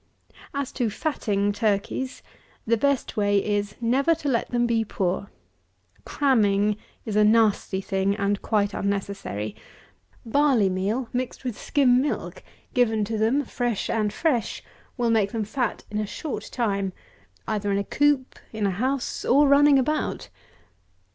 175. As to fatting turkeys, the best way is, never to let them be poor. Cramming is a nasty thing, and quite unnecessary. Barley meal, mixed with skim milk, given to them, fresh and fresh, will make them fat in a short time, either in a coop, in a house, or running about.